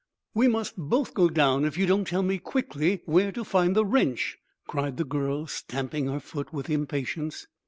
"We must both go down if you don't tell me quickly where to find the wrench," cried the girl, stamping her foot with impatience.